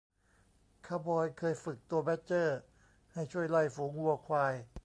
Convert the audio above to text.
คาวบอยเคยฝึกตัวแบดเจอร์ให้ช่วยไล่ฝูงวัวควาย